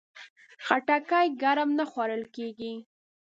خټکی ګرم نه خوړل کېږي.